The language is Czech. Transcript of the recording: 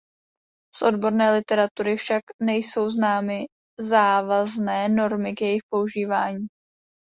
Z odborné literatury však nejsou známy závazné normy k jejich používání.